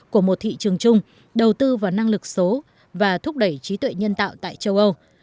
của một thị trường chung đầu tư vào năng lực số và thúc đẩy trí tuệ nhân tạo tại châu âu